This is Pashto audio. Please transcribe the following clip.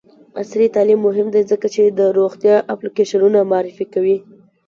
عصري تعلیم مهم دی ځکه چې د روغتیا اپلیکیشنونه معرفي کوي.